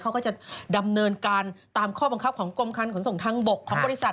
เขาก็จะดำเนินการตามข้อบังคับของกรมการขนส่งทางบกของบริษัท